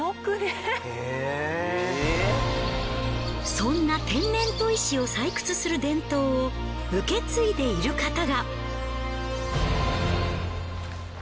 そんな天然砥石を採掘する伝統を受け継いでいる方が。